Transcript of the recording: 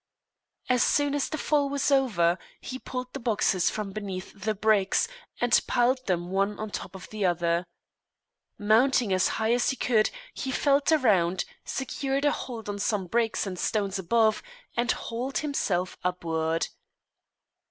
As soon as the fall was over, he pulled the boxes from beneath the bricks and piled them one on top of the other. Mounting as high as he could, he felt around, secured a hold on some bricks and stones above, and hauled himself upward.